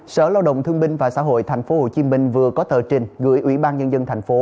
sở lao động thương binh và xã hội tp hcm vừa có tờ trình gửi ủy ban nhân dân thành phố